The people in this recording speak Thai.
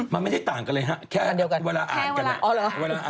มันไม่ได้ต่างกันเลยฮะแค่เวลาอ่านกันแหละ